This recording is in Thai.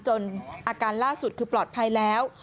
อาการล่าสุดคือปลอดภัยแล้ว